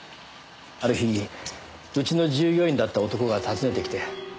ある日うちの従業員だった男が訪ねてきて。